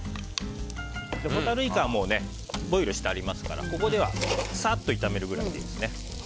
ホタルイカはもうボイルしてありますからここではサッと炒めるぐらいでいいですね。